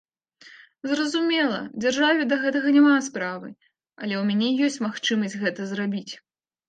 Зразумела, дзяржаве да гэтага няма справы, але ў мяне ёсць магчымасць гэта зрабіць.